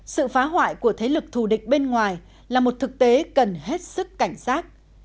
sự phá hoại của thế lực thù địch bên ngoài là một thực tế cần hết sức cảnh giác